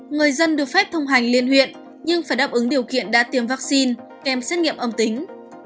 người dân được phép thông hành liên huyện nhưng phải đáp ứng điều kiện đã tiêm vaccine kèm xét nghiệm âm tính